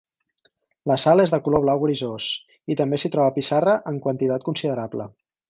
La sal és de color blau grisós, i també s'hi troba pissarra en quantitat considerable.